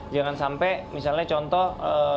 jangan sampai misalnya contoh